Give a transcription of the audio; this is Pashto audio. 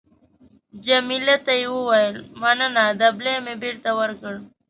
جميله ته مې وویل: مننه. دبلی مې بېرته ورکړ.